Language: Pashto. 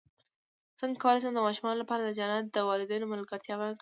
څنګه کولی شم د ماشومانو لپاره د جنت د والدینو ملګرتیا بیان کړم